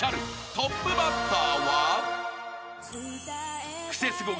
［トップバッターは］